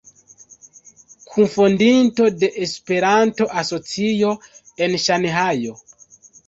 Kunfondinto de Esperanto Asocio en Ŝanhajo.